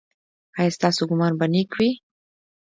ایا ستاسو ګمان به نیک وي؟